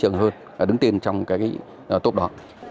và có nhiều các trường hợp đứng tiên trong cái top đó